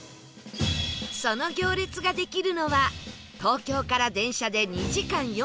その行列ができるのは東京から電車で２時間４５分